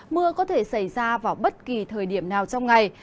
mưa có thể xảy ra vào bất kỳ thời điểm nào trong ngày